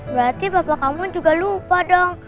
berarti bapak kamu juga lupa dong